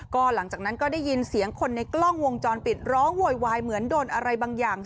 ก็หลังจากนั้นก็ได้ยินเสียงคนในกล้องวงจรปิดร้องโวยวายเหมือนโดนอะไรบางอย่าง